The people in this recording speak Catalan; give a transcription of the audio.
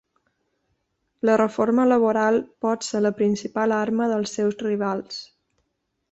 La reforma laboral pot ser la principal arma dels seus rivals.